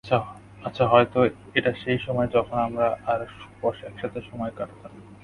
আচ্ছা, হয়তো এটা সেই সময় যখন আমি আর সুপস একসাথে সময় কাটাতাম।